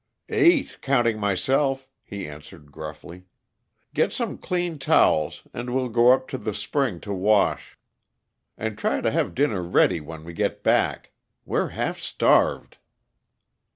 "Eight, counting myself," he answered gruffly. "Get some clean towels, and we'll go up to the spring to wash; and try and have dinner ready when we get back we're half starved."